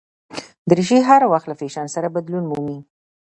دریشي هر وخت له فېشن سره بدلون مومي.